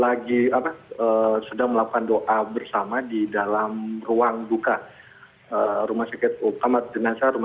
lagi apa sedang melakukan doa bersama di dalam ruang duka rumah sakit umum rumah sakit umum rumah sakit umum awad sarani samarinda